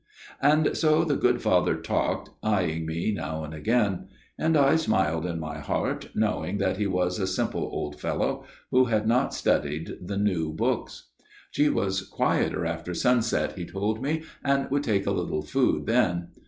" And so the good father talked, eyeing me now and again ; and I smiled in my heart, know ing that he was a simple old fellow who had not studied the new books. >" She was quieter after sunset, he told me, and ould take a little food then.